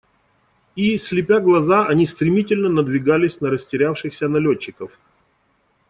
И, слепя глаза, они стремительно надвигались на растерявшихся налетчиков.